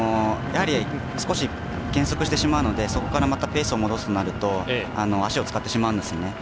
少し、減速してしまうのでそこからまたペースを戻すとなると足を使ってしまうんですね。